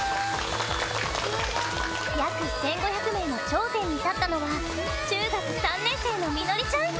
約１，５００名の頂点に立ったのは中学３年生のミノリちゃん。